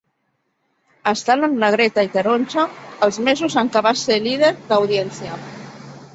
Estan en negreta i taronja els mesos en què va ser líder d'audiència.